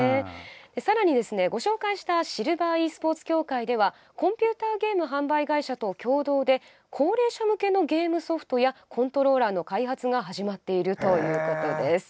さらに、ご紹介したシルバーｅスポーツ協会ではコンピューターゲーム販売会社と共同で高齢者向けのゲームソフトやコントローラーの開発が始まっているということです。